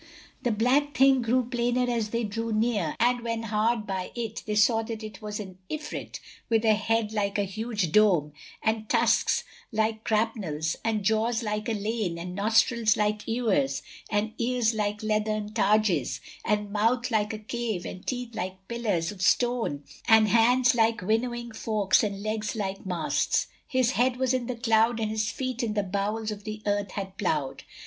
The black thing grew plainer as they drew near, and when hard by it, they saw that it was an Ifrit, with a head like a huge dome and tusks like grapnels and jaws like a lane and nostrils like ewers and ears like leathern targes and mouth like a cave and teeth like pillars of stone and hands like winnowing forks and legs like masts: his head was in the cloud and his feet in the bowels of the earth had plowed.